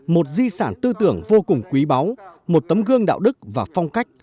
một di sản tư tưởng vô cùng quý báu một tấm gương đạo đức và phong cách